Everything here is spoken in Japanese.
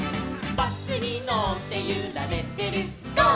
「バスにのってゆられてるゴー！